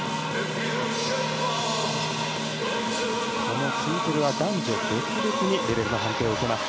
このツイズルは男女別々にレベルの判定を受けます。